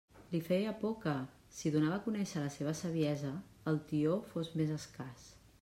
Li feia por que, si donava a conèixer la seva saviesa, el tió fos més escàs.